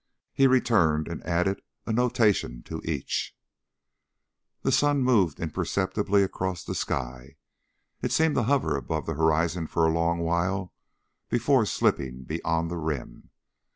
He returned and added a notation to each. The sun moved imperceptibly across the sky. It seemed to hover above the horizon for a long while before slipping beyond the rim.